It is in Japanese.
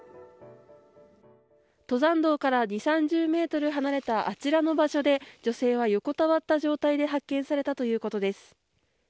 登山道から２０３０ｍ離れたあちらの場所で女性は、横たわった状態で発見されたということです。